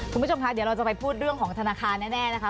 คุณผู้ชมคะเดี๋ยวเราจะไปพูดเรื่องของธนาคารแน่นะคะ